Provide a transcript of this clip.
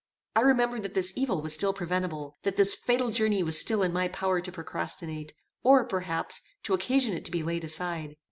I remembered that this evil was still preventable; that this fatal journey it was still in my power to procrastinate, or, perhaps, to occasion it to be laid aside.